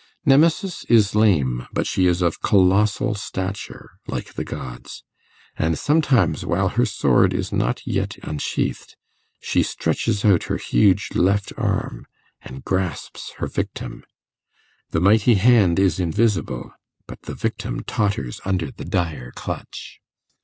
Nemesis is lame, but she is of colossal stature, like the gods; and sometimes, while her sword is not yet unsheathed, she stretches out her huge left arm and grasps her victim. The mighty hand is invisible, but the victim totters under the dire clutch.